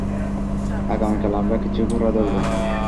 আগামীকাল আমরা কিছু ঘোড়া ধরব।